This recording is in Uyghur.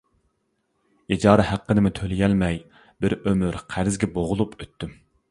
ئىجارە ھەققىنىمۇ تۆلىيەلمەي بىر ئۆمۈر قەرزگە بوغۇلۇپ ئۆتتۈم.